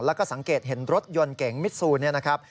แล้วก็สังเกตเห็นรถยนต์เก่งมิดซูนเนี่ยนะครับ